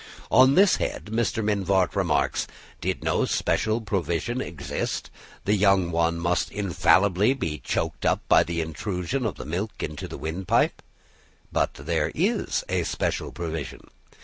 On this head Mr. Mivart remarks: "Did no special provision exist, the young one must infallibly be choked by the intrusion of the milk into the wind pipe. But there is a special provision.